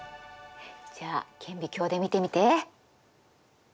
じゃあ顕微鏡で見てみて。